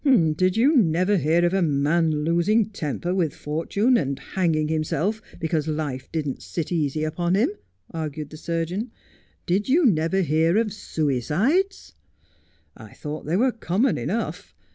' Did you never hear of a man losing temper with fortune and hanging himself because life didn't sit easy upon him 1 ' argued the surgeon. 'Did you never hear of suicides 1 I thought they were common enough.